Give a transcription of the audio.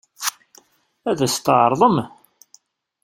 Ad as-t-tɛeṛḍem?